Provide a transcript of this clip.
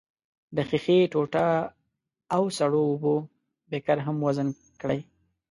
د ښيښې ټوټه او سړو اوبو بیکر هم وزن کړئ.